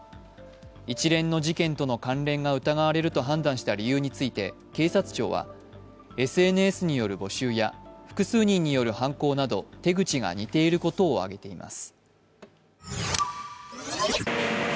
一連の事件との関連が疑われると判断した理由について警察庁はＳＮＳによる募集や複数人による犯行など手口が似ていることを挙げています。